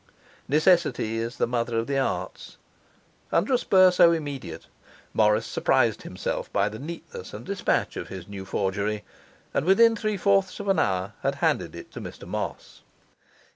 Necessity is the mother of the arts. Under a spur so immediate, Morris surprised himself by the neatness and dispatch of his new forgery, and within three fourths of an hour had handed it to Mr Moss.